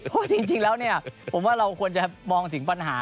เพราะจริงแล้วเนี่ยผมว่าเราควรจะมองถึงปัญหา